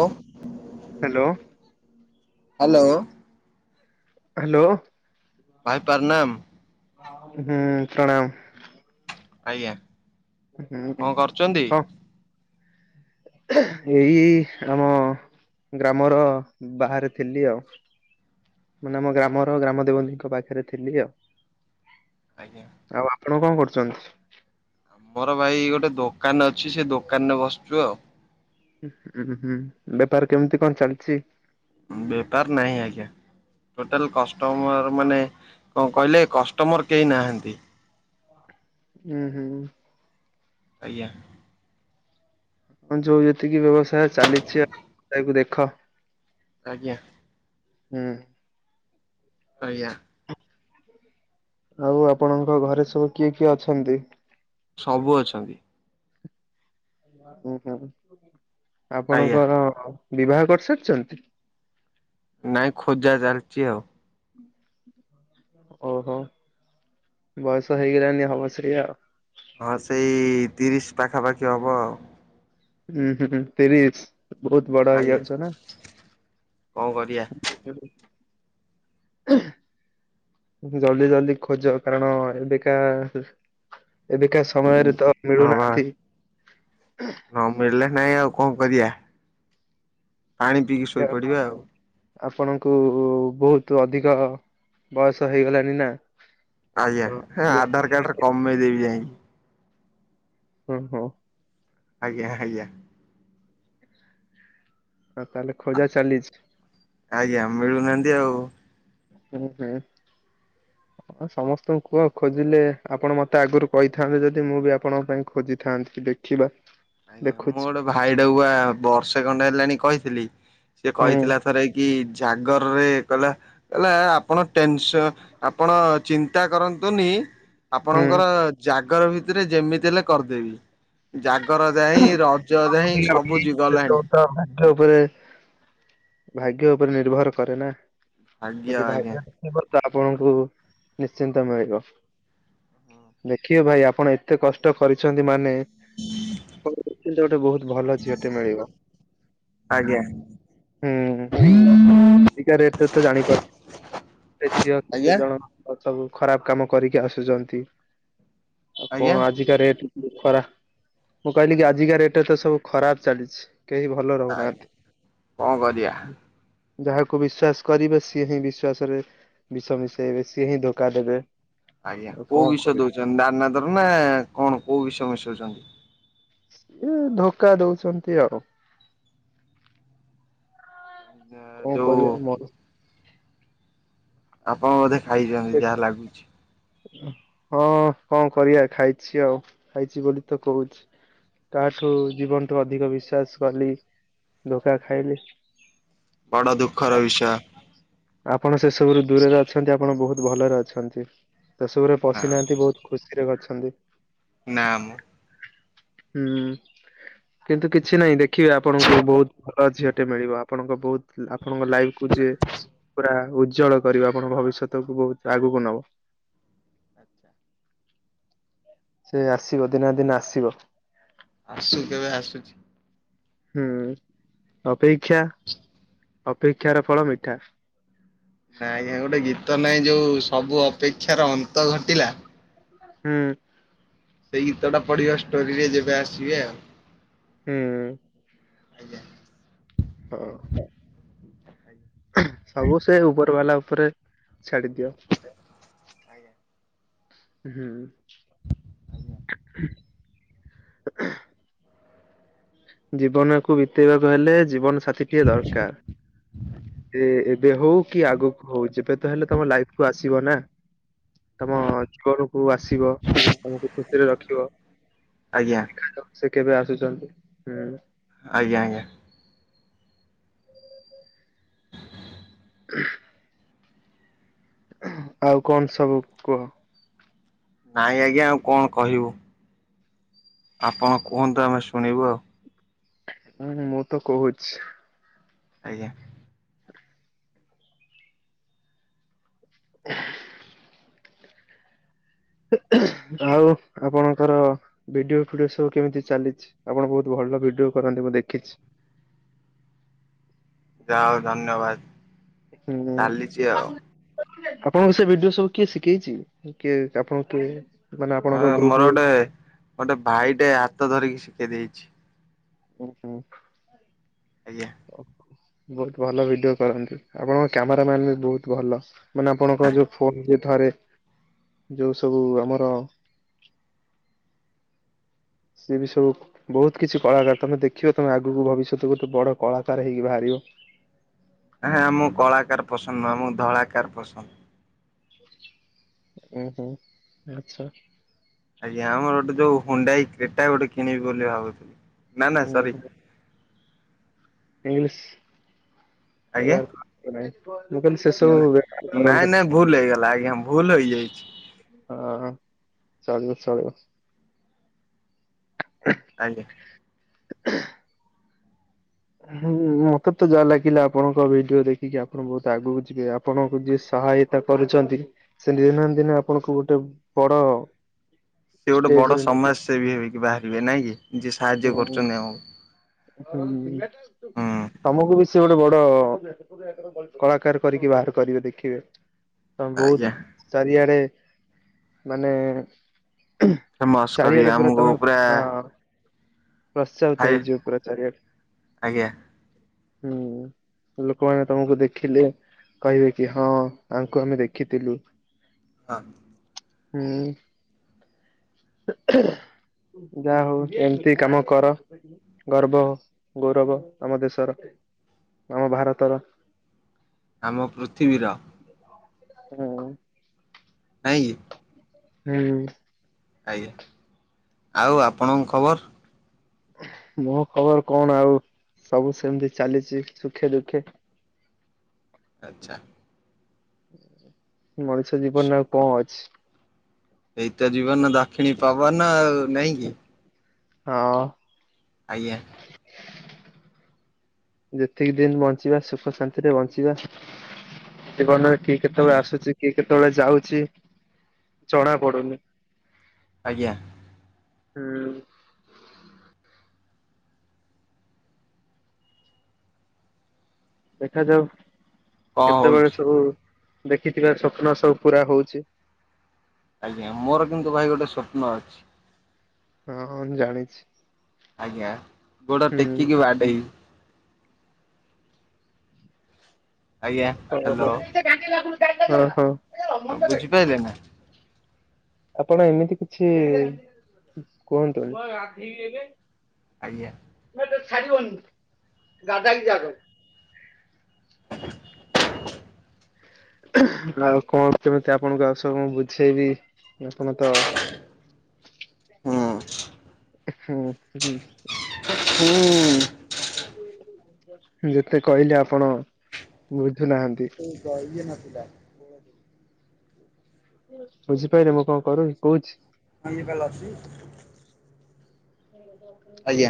ହ hello. Hello. ଭାଇ ପ୍ରନାମ୍ ହୁଁ ପ୍ରଣାମ। ଆଜ୍ଞା। ହୁଁ କଣ କରୁଛନ୍ତି କ ଏଇ ଆମ ଗ୍ରାମର ବାହାରେ ଥିଲି ଆଉ। ମାନେ ଆମ ଗ୍ରାମର ଗ୍ରାମ ଦେବତୀଙ୍କ ପାଖରେ ଥିଲି ଆଉ। ଆଜ୍ଞା। ଆଉ ଆପଣ କଣ କରୁଛନ୍ତି? ଆମର ଭାଇ ଗୋଟେ ଦୋକାନ ଅଛି, ସେ ଦୋକାନ ରେ ବସିଛୁ ଆଉ। ହୁଁ ହୁଁ ବେପାର କେମିତି କଣ ଚାଲିଚି? ବେପାର ନାହିଁ ଆଜ୍ଞା। ଟୋଟାଲ କଷ୍ଟମର ମାନେ କଣ କହିଲେ କଷ୍ଟମର କେହି ନାହାନ୍ତି। ହୁଁ ହୁଁ। ଆଜ୍ଞା। ହଁ ଯୋଉ ଯେତିକି ବ୍ୟବସାୟ ଚାଲିଚି ଆଉ ତାକୁ ଦେଖ। ଆଜ୍ଞା। ହୁଁ। ଆଜ୍ଞା। ଆଉ ଆପଣଙ୍କ ଘରେ ସବୁ କିଏ କିଏ ଅଛନ୍ତି? ସବୁ ଅଛନ୍ତି। ହ ହଁ ଆଜ୍ଞା ଆପଣଙ୍କର ବିବାହ କରିସାରିଛନ୍ତି? ନାଇଁ ଖୋଜା ଚାଲିଚି ଆଉ। ହୁଁ। ଓହୋ ବୟସ ହେଇଗଲାଣିି ହବ ସେୟା ଆଉ। ହଁ ସେଇ ତିରିଶ ପାଖାପାଖି ହବ ଆଉ। ହୁଁ ହୁଁ ତିରିଶ। ବୋହୁତ ବଡ ଆଜ୍ଞା ହେଇଯାଉଛ ନା। କଣ କରିବା। ଜଲଦି ଜଲଦି ଖୋଜ କାରଣ ଏବେକା ଏବେକା ସମୟରେ ତ ହଁ ବା ମିଳୁନାହାନ୍ତି। ନ ମିଳିଲ ନାଇଁ ଆଉ କଣ କରିଆ। ପାଣି ପିଇକି କାରଣ ଶୋଇପଡିବା ଆଉ। ଆପଣଙ୍କୁ ବୋହୁତ ଅଧିକ ବୟସ ହେଇଗଲାଣିି ନା। ତ ଆଜ୍ଞା ଝିଅ ଆଧାର ମିଳିଲେ କାର୍ଡରେ କି- କମେଇ ଦେବି ଯାଇ ହ ହୋ। ଆଜ୍ଞା ଆଜ୍ଞା।। ହଁ, ତାହେଲେ ଖୋଜା ଚାଲିଛି? ଆଜ୍ଞା, ମିଳୁନାହାଁନ୍ତି ଆଉ। ହୁଁ ହୁଁ। ହଁ ସମସ୍ତଙ୍କୁ କୁହ। ଖୋଜିଲେ ଆପଣ ମତେ ଆଗରୁ କହିଥାନ୍ତେ, ଯଦି ମୁଁ ବି ଆପଣଙ୍କ ପାଇଁ ଖୋଜିଥାନ୍ତି। ଦେଖିବା। ଆଜ୍ଞା, ମୁଁ ଦେଖୁଛି ଗୋଟେ ଭାଇଟାକୁୁଆ ବର୍ଷେ ଖଣ୍ଡେ ହେଲାଣି କହିଥିଲି। ସେ ହୁଁ କହିଥିଲା ଥରେ କି ଜାଗରରେ କହିଲା, କହିଲା ଆପଣ ଟେନସ ଆପଣ ଚିନ୍ତା କରନ୍ତୁନି! ହୁଁ। ଆପଣଙ୍କର ଜାଗର ଭିତରେ ଯେମିତି ହେଲେ କରିଦେବି। ଜାଗ ଗରଯାଇ, ରଜଯାଇ ସବୁ ଜି ଗଲାଣି। ଗ୍ୟ ଉପରେ ଭାଗ୍ୟ ଉପରେ ନିର୍ଭର କରେ ନା। ଆଜ୍ଞା ଯଦି, ଆଜ୍ଞା। ଭାଗ୍ୟରେଥିବ ତ ଆପଣଙ୍କୁ ନିଶ୍ଚିନ୍ତ ମିଳିବ। ଦେଖିବ ଭାଇ ଆପଣ ଏତେ କଷ୍ଟ କରିଛନ୍ତି ମାନେ କନ୍ତୁ, ଗୋଟେ ବହୁତ ଭଲ ଝିଅଟେ ମିଳିବ। ଆଜ୍ଞା। ବିକା ରେଟରେ ଥ ଜାଣିପାରୁ ଝିଅ ଆଜ୍ଞା କେତେଜଣ କ ସବୁ ଖରାପ କାମ କରିକି ଆସୁଛନ୍ତି। ଆଉ ଆଜ୍ଞା କଣ ଆଜିକା ରେଟ ଖରା ମୁଁ କହିଲି କି ଆଜିକା ରେଟ୍ ରେ ତ ସବୁ ଖରାପ ଚାଲିଛି। କେହି ଭଲ ଆଜ୍ଞା ରହୁନାହାଁନ୍ତି। କଣ କରିବା। ଯାହାକୁ ବିଶ୍ଵାସ କରିବେ। ସିଏ ହିଁ ବିଶ୍ଵାସରେ ବିଷ ମିଶେଇବେ। ସିଏ ହିଁ ଧୋକା ଦେବେ। ଆଜ୍ଞା, ଆଉ କୋଉ କଣ ବିଷ କରିବେ ଦଉଚନ୍ତି, ଦାନାଦାର ନା କଣ କୋଉ ବିଷ ମିଶଉଛନ୍ତି? ଏ ଧୋକା ଦଉଛନ୍ତି ଆଉ। କଣ ଯୋଉ କରିବା ମୋର? ଆପଣ ବୋଧେ ଖାଇଛନ୍ତି। ଯାହା ଲାଗୁଛି। ହଁ କଣ କରିବା! ଖାଇଛି! ଆଉ ଖାଇଛି ବୋଲି ତ କହୁଛି। କାହା ଠୁ ଜୀବନଠୁ ଅଧିକ ବିଶ୍ୱାସ କଲି ଧୋକା ଖାଇଲି। ବଡ ଦୁଃଖର ବିଷୟ! ଆପଣ ସେ ସବୁରୁ ଦୂରରେ ଅଛନ୍ତି। ଆପଣ ବହୁତ ଭଲରେ ଅଛନ୍ତି। ସେସବୁରେ ପଶିନାହାଁନ୍ତି। ବହୁତ ଖୁସିରେ ଗଛନ୍ତି। ନାଁ ମୁଁ, ହୁଁ, କିନ୍ତୁ କିଛି ନାହିଁ। ଦେଖ୍ ଦେଖିବେ, ଆପଣଙ୍କୁ ବହୁତ ଭଲ ଝିଅଟେ ମିଳିବ। ଆପଣଙ୍କ ବହୁତ ଆପଣଙ୍କ ଲାଇଫ କୁ ଯିଏ ପୁରା ଉଜ୍ଜଳ କରିବ, ଆପଣଙ୍କ ଭବିଷ୍ୟତକୁ ବହୁତ ଆଗକୁ ନବ। ଆଚ୍ଛା। ସେ ଆସିବ ଦିନେନା ଦିନ ଆସିବ। ଆସୁ କେବେ ଆସୁଛି? ହୁଁ ଅପେକ୍ଷା! ଅପେକ୍ଷାର ଫଳ ମିଠା। ନାଁ ଆଜ୍ଞା, ଗୋଟେ ଗୀତ ନାଇଁ ଯୋଉ ସବୁ ଅପେକ୍ଷାର ଅନ୍ତ ଘଟିଲା। ହୁଁ। ସେଇ ଗୀତଟା ପଢିବ। ଷ୍ଟୋରିରେ ଯେବେ ଆସିବେ ଆଉ। ହୁଁ। ଆଜ୍ଞା। ହଁ। ଆଜ୍ଞା ସବୁ ସେ ଉପର ବାଲା ଉପରେ ଛାଡି ଦିଅ। ଆଜ୍ଞା। ହୁଁ, ଜୀବନକୁ ବିତେଇବାକୁ ହେଲେ, ଜୀବନ ସାଥିଟିଏ ଦରକାର। ଏ ଏବେ ହଉ କି ଆଗକୁ ହଉ, ଯେବେ ତ ହେଲେ ତମ ଲାଇଫ କୁ ଆସିବ ନା। ତମ ଘରକୁ ଆସିବ। ତମକୁ ଖୁସିରେ ରଖିବ। ଆଜ୍ଞା। ସେ କେବେ ଆସୁଛନ୍ତି ହୁଁ। ଆଜ୍ଞା ଆଜ୍ଞା। ଆଉ କଣ ସବୁ କୁହ? ନାଇଁ ଆଜ୍ଞା ଆଉ କଣ କହିବୁ। ଆପଣ କୁହନ୍ତୁ ଆମେ ଶୁଣିବୁ ଆଉ। ହୁଁ ମୁଁ ତ କହୁଛି। ଆଜ୍ଞା। ହେଁ ଆଉ ଆପଣଙ୍କର ଭିଡିଓ ଫିଡିଓ ସବୁ କେମିତି ଚାଲିଛି ଆପଣ ବହୁତ ଭଲ। ଭଲ ଭିଡିଓ କରନ୍ତି ମୁଁ ଦେଖିଛି। [inaudible] ଯାହାହେଉ ଧନ୍ୟବାଦ। ହୁଁ। ଚାଲିଛି ଆଉ। ଆପଣଙ୍କ ସେ ଭିଡିଓ ସବୁ କିଏ ଶିଖେଇଛି କିଏ ଆପଣଙ୍କୁ କିଏ ମାନେ ହଁ ଆପଣଙ୍କ ମୋର ଗ୍ରୁପ ଗୋଟେ ଗୋଟେ ଭାଇଟେ ହାତ ଧରିକି ଶିକେଦେଇଛି। ଉଁ ହୁଁ [inaudible] ଆଜ୍ଞା। ଓହୋ। ବହୁତ ଭଲ ଭିଡିଓ କରନ୍ତି ଆପଣଙ୍କ କ୍ୟାମେର ମ୍ୟାନ ବି ବହୁତ ଭଲ ମାନେ ଆପଣଙ୍କ ଯୋଉ ହଁ ଫୋନ ଠାରେ [inaudible] ଯୋଉ ସବୁ ଆମର [inaudible] ସିଏ ବି ସବୁ ବହୁତ କିଛି କଳାକାର ତମେ ଦେଖିବ ତମେ ଆଗକୁ ଭବିଷ୍ୟତ ଗୋଟେ ବଡ କଳାକାର ହେଇକି ବାହାରି କିଏ? ହାଁ ମୁଁ କଳାକାର ପସନ୍ଦ ନୁହଁ ମୁଁ ଧଳାକାର ପସନ୍ଦ। ଉଁ ହୁଁ ଆଚ୍ଛା। ଆଜ୍ଞା ଆମର ଗୋଟେ ଯୋଉ ହୁଣ୍ଡାଇ କ୍ରିଟା ଗୋଟେ କିଣିବି ବୋଲି ଭାବୁଥିଲି ନା ନା ସରି। ଇଂଙ୍ଗଲିସ [inaudible] ଏବାର୍କ ଏମାଇଲ। ହୁଁ ନାଁ ନାଇଁ ନାଇଁ ଭୁଲ ହେଇଗଲା ଆଜ୍ଞା ଭୁଲ ହେଇଯାଇଛି। ହଁ ଚଳିବ ଚଳିବ। [inaudible] ଆଜ୍ଞା। ହୁଁ ମତେ ତ ଯାହା ଲାଗିଲା ଆପଣଙ୍କ ଭିଡିଓ ଦେଖିକି ଆପଣ ବହୁତ ଆଗକୁ ଯିବେ ଆପଣଙ୍କୁ ଯିଏ ସହାୟତା କରୁଛନ୍ତି ସେ ଦିନେ ନା ଦିନେ ଆପଣଙ୍କୁ ଗୋଟେ ବଡ ସେ ଗୋଟେ ବଡ ଷ୍ଟେଜରେ ନେଇକି ସମାଜସେବୀ ହେବିକି ବାହାରିବେ ନାଇଁ କି ଯିଏ ସାହାଯ୍ୟ ହୁଁ କରୁଛନ୍ତି ଆମକୁ। ହୁଁ ହୁଁ ତମକୁ ବି ସେ ଗୋଟେ ବଡ କଅ କଳାକାର କରିକି ବାହାର କରିବେ ଦେଖିବେ। ହ ଆଜ୍ଞା ବହୁତ ଚାରିଆଡେ ମାନେ [unintelligible] ଫେମସ୍ କରିବେ ଚାରିଆଡେ ପୁରା ଆମକୁ ତମେ ହଁ। ପ୍ରତ୍ସାହିତ ହାଇ ହେଇଯିବ ପୁର ଆଜ୍ଞା। ଚାରିଆଡେ [inaudible] ହୁଁ। ଲୋକମାନେ ତମକୁ ଦେଖିଲେ କହିବେ କି ହଁ ତାଙ୍କୁ ଆମେ ଦେଖିଥିଲୁ। ହଁ। ହୁଁ। [inaudible] ଯାହା ହଉ ଏମ୍ ତି କାମ କର। ଗର୍ବ ଗୌରବ ଆମ ଦେଶର [inaudible] ଆମ ଭାରତର। ଆମ ପୃଥିବୀର। ହୁଁ। ନାଇଁକି? ହୁଁ। ଆଜ୍ଞା [inaudible] ଆଉ ଆପଣଙ୍କ ଖବର? ମୋ ଖବର କଣ ଆଉ ସବୁ ସେମିତି ଚାଲିଛି ସୁଖେ ଦୁଃଖେ। ଆଚ୍ଛା। [inaudible] ମଣିଷ ଜୀବନରେ ଆଉ କଣ ଅଛି। ଏଇତ ଜୀବନ ଦାକ୍ଷିଣୀ ପବନ ଆଉ ନାଇଁ କିି। ହଁ ଆଜ୍ଞା। ଯେତିକି ଦିନ ବଞ୍ଚିବା ସୁଖ ଶାନ୍ତିରେ ବଞ୍ଚିବା [inaudible] ଜୀବନ ରେ କିଏ କେତେବେଳେ ଆଜ୍ଞା। ଆସୁଛି କିଏ କେତେବେଳେ ଯାଉଛି ଜଣା ପଡୁନି। ଆଜ୍ଞା। ହୁଁଉଁ। ଦେଖାଯାଉ କଣ କେତେବେଳେ ହଉଛି ସବୁ ଦେଖିଥିବା ସ୍ୱପ୍ନ ସବୁ ପୁରା ହଉଛି। ଆଜ୍ଞା ମୋର କିନ୍ତୁ ଭାଇ ଗୋଟେ ସ୍ବପ୍ନ ଅଛି। ହଁ ହଁ ମୁଁ ଜାଣିଛି। ଆଜ୍ଞା ଗୋଡ ହୁଁ। ଟେକିକି ବାଡେଇ ଆଜ୍ଞା ହଁ ହ୍ୟାଲୋ ହଁ ହଁ ହଁ। ଆଉ ବୁଝିପାରିଲେ ନା? ଆପଣ ଏମିତି କିଛି କୁହନ୍ତୁନି। ଆଜ୍ଞା। ଛାଡିବନି ଗାଦାକ ଯାର [inaudible] ଆଉ କଣ କେମିତି ଆପଣଙ୍କୁ ଆଉ ସବୁ ମୁଁ ବୁଝେଇବି। ଆପଣ ତ ହୁଁ ହୁଁ ହୁଁ। ହୁଁଉଁ। ଯେତେ କହିଲେ ଆପଣ ବୁଝୁନାହାନ୍ତି। [unintelligible] ଇଏ ନଥିଲା। ବୁଝିପାରିଲେ ମୋ ପାଖକୁ କର କୋହୁଚି।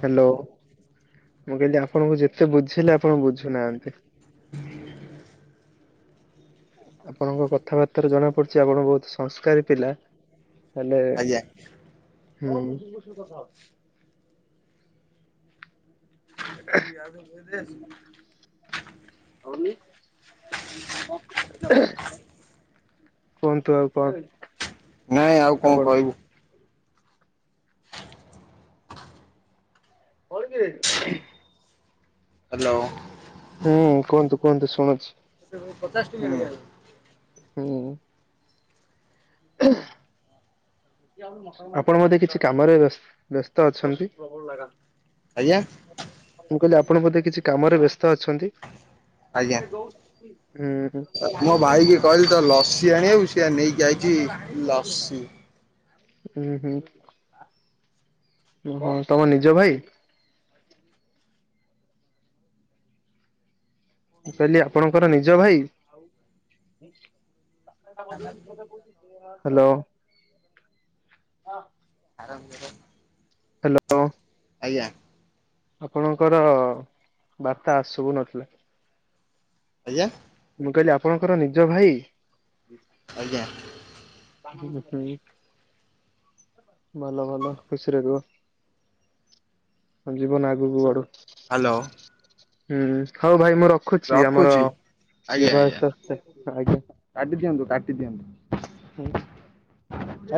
ହ୍ୟାଲୋ ମୁଁ କହିଲି ଆପଣଙ୍କୁ ଯେ ସେ ବୁଝିଲେ ଆପଣ ବୁଝୁନାହାନ୍ତି। ଆପଣଙ୍କ କଥାବାର୍ତ୍ତାରୁ ଜଣାପଡୁଛି ଆପଣ ବହୁତ ସଂସ୍କାରୀ ପିଲା। ହେଲେ ଆଜ୍ଞା। ହୁଁ କଣ ଫୁସୁରୁ ଫୁସୁରୁ କଥା ହଉଛୁ। [unintelligible] ଆଉ କୁହନ୍ତୁ ଆଉ କଣ? ନାଇଁ ଆଉ କଣ ଆପଣ କହିବୁ। କଣ କିରେ? ହ୍ୟାଲୋ ହୁଁ କୁହନ୍ତୁ କୁହନ୍ତୁ ଶୁଣୁଛି। ସେ କଣ ପଚାଶଟଙ୍କିଆ ନେଇକି [unintelligible] ହୁଁ। ଉଁହୁଁ। [unintelligible] ଆପଣ ମତେ କିଛି କାମରେ ବେସ ବ୍ୟସ୍ତ ଅଛନ୍ତି? ଆଜ୍ଞା? ମୁ କହିଲି ଆପଣ ବୋଧେ କିଛି କାମରେ ବ୍ୟସ୍ତ ଅଛନ୍ତି? ଆଜ୍ଞା। ହୁଁ [inaudible] ମୋ ଭାଇକି କହିଲି ତ ଲସି ଆଣିବାକୁ ସେ ନେଇକି ଆସିଚି [inaudible] ଲସି। ହୁଁ ହୁଁ ହଁ [inaudible] ତମ ନିଜ ଭାଇ? ମୁଁ କହିଲି ଆପଣଙ୍କର ନିଜ ଭାଇ? ହ୍ୟାଲୋ। ହାରାମଯାଦା। ହ୍ୟାଲୋ। ଆଜ୍ଞା। ଆପଣଙ୍କର ବାର୍ତ୍ତା ଆସବୁ ନଥିଲା। ଆଜ୍ଞା। ମୁଁ କହିଲି ଆପଣଙ୍କର ନିଜ ଭାଇ? ଆଜ୍ଞା। ହଁ ଭଲ ଭଲ ଖୁସିରେରୁହ। ଜୀବନ ଆଗକୁ ବଢ଼ୁ। ହ୍ୟାଲୋ ହୁଁ ହଉ ଭାଇ ମୁଁ ରଖୁଛି ଆମର ଆଜ୍ଞା ଯିବା ଆଜ୍ଞା ତ ଆଜ୍ଞା କାଟି ଦିଅନ୍ତୁ କାଟି ହୁଁ। ହ